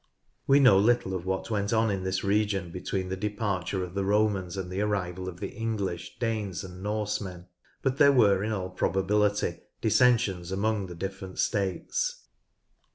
We know little of what went on in this region between the departure of the Romans and the arrival of the English, Danes, and Norsemen, but there were in all probability dissensions among the different States.